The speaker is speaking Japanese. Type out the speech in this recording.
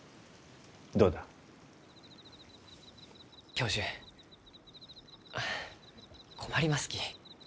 教授あ困りますき。